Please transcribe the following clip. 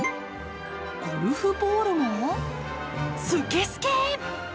ゴルフボールもスケスケ！